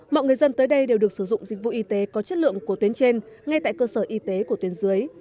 mọi người dân tới đây đều được sử dụng dịch vụ y tế có chất lượng của tuyến trên ngay tại cơ sở y tế của tuyến dưới